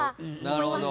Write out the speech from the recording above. なるほど。